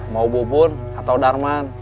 mau bubun atau darman